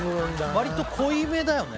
わりと濃いめだよね